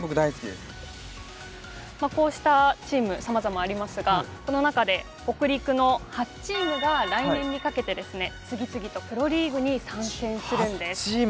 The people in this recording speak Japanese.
まあこうしたチームさまざまありますがこの中で北陸の８チームが来年にかけてですね次々とプロリーグに参戦するんです。